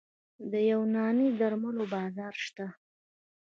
د یوناني درملو بازار شته؟